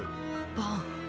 バン。